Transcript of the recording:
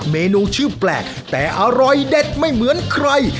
เมนูชื่อแปลกแต่อร่อยเด็ดไม่เหมือนใคร